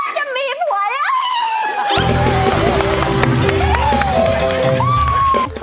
จะมีผัวแล้ว